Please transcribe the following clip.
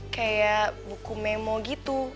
kayak buku memo gitu